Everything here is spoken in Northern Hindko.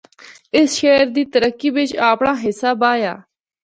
اس شہر دی ترقی بچ اپنڑا حصہ بایا۔